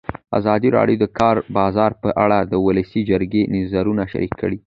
ازادي راډیو د د کار بازار په اړه د ولسي جرګې نظرونه شریک کړي.